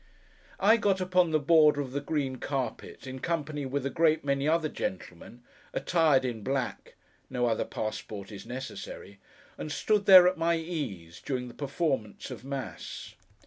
I got upon the border of the green carpet, in company with a great many other gentlemen, attired in black (no other passport is necessary), and stood there at my ease, during the performance of Mass.